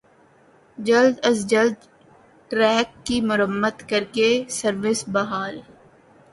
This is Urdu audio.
جلد از جلد ٹریک کی مرمت کر کے سروس بحال